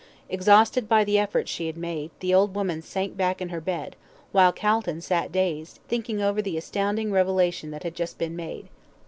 Exhausted by the efforts she had made, the old woman sank back in her bed, while Calton sat dazed, thinking over the astounding revelation that had just been made.